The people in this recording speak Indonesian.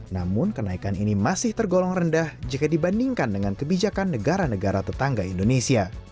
namun kenaikan ini masih tergolong rendah jika dibandingkan dengan kebijakan negara negara tetangga indonesia